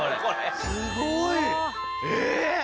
すごい。えっ⁉